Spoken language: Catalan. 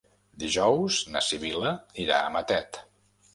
Dijous na Sibil·la irà a Matet.